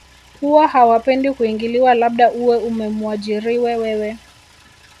huwa hawapendi kuingiliwa labda uwe umemuajiriwe wewe